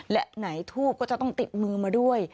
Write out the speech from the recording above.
และไหนทูบก็จะต้องติดมือมาด้วย